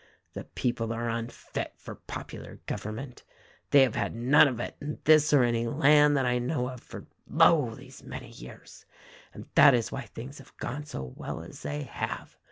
The people are unfit for popular govern ment. They have had none of it in this or any land that I know of for, lo! these many years — and that is why things have gone so well as they have.